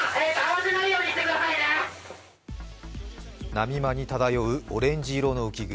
波間に漂うオレンジ色の浮具。